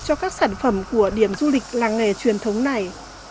cho các sản phẩm của điểm du lịch làng nghề truyền thống này